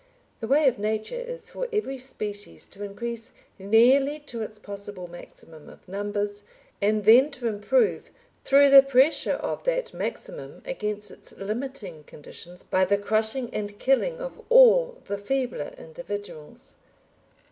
The way of Nature is for every species to increase nearly to its possible maximum of numbers, and then to improve through the pressure of that maximum against its limiting conditions by the crushing and killing of all the feebler individuals.